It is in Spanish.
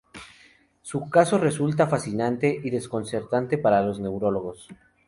Su caso resulta "fascinante" y desconcertante para los neurólogos.